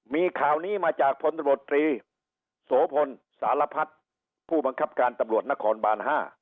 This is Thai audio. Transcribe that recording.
มีข่าวนี้มาจากพนธุบรตรีโสพนศาลพัดผู้บังกับการตำรวจนครบาน๕